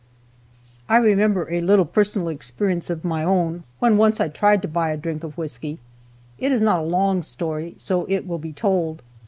I remember a little personal experience of my own, when once I tried to buy a drink of whisky. It is not a long story, so it will be told.